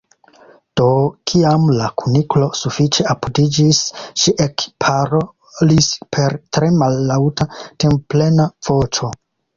Do, kiam la Kuniklo sufiĉe apudiĝis, ŝi ekparolis per tre mallaŭta timplena voĉo.